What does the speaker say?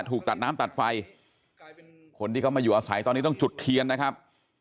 ถูกตัดน้ำตัดไฟคนที่เขามาอยู่อาศัยตอนนี้ต้องจุดเทียนนะครับ